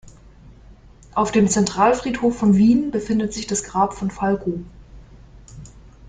Auf dem Zentralfriedhof von Wien befindet sich das Grab von Falco.